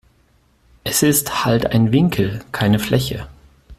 Es ist halt ein Winkel, keine Fläche.